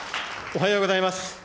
おはようございます。